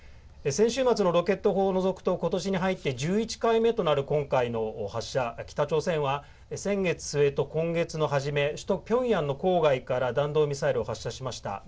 先週末のロケット砲を除くとことしに入って１１回目となる今回の発射、北朝鮮は先月末と今月の初め、首都ピョンヤンの郊外から弾道ミサイルを発射しました。